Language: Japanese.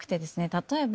例えば。